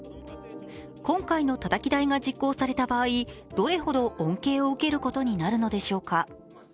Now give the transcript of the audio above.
今回のたたき台が実行された場合、どれほど恩恵を受けることになるのでしょうか。